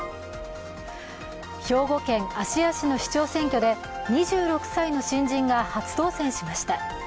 兵庫県芦屋市の市長選挙で２６歳の新人が初当選しました。